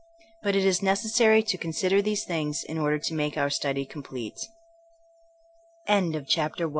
But it is nec essary to consider these things in order to mate our study complete. n THINKING WITH M